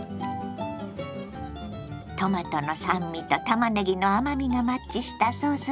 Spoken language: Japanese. トマトの酸味とたまねぎの甘みがマッチしたソースです。